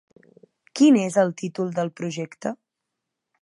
Quin és el títol del projecte?